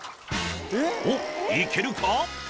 おっいけるか？